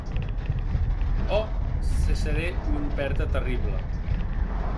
Oh, ce serait une perte terrible.